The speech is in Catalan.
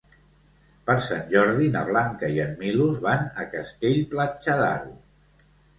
Per Sant Jordi na Blanca i en Milos van a Castell-Platja d'Aro.